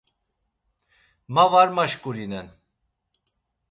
Ma var maşǩurinen.